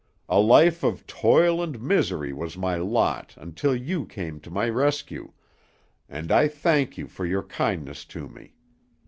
A life of toil and misery was my lot until you came to my rescue, and I thank you for your kindness to me.